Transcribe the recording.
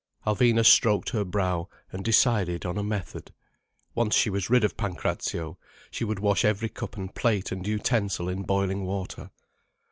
Alvina stroked her brow and decided on a method. Once she was rid of Pancrazio, she would wash every cup and plate and utensil in boiling water.